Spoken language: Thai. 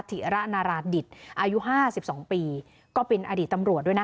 ธิระนาราศดิตอายุ๕๒ปีก็เป็นอดีตตำรวจด้วยนะ